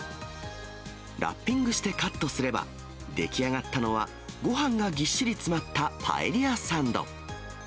ラッピングしてカットすれば、出来上がったのは、ごはんがぎっしり詰まったパエリアサンド。